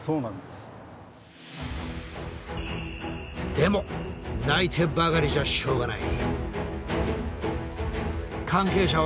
でも泣いてばかりじゃしょうがない。